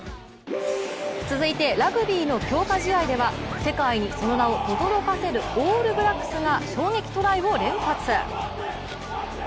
続いて、ラグビーの強化試合では世界にその名をとどろかせるオールブラックスが衝撃トライを連発。